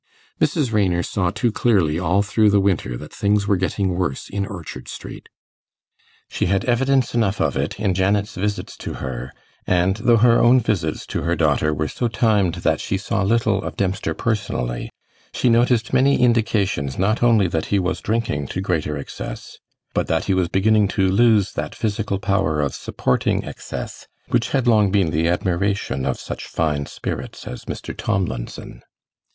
Mrs. Raynor saw too clearly all through the winter that things were getting worse in Orchard Street. She had evidence enough of it in Janet's visits to her; and, though her own visits to her daughter were so timed that she saw little of Dempster personally, she noticed many indications not only that he was drinking to greater excess, but that he was beginning to lose that physical power of supporting excess which had long been the admiration of such fine spirits as Mr. Tomlinson.